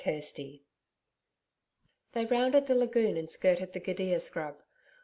CHAPTER 2 They rounded the lagoon and skirted the gidia scrub.